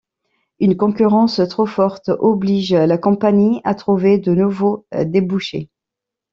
Une concurrence trop forte oblige la Compagnie à trouver de nouveaux débouchés.